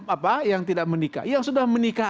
apa yang tidak menikah yang sudah menikah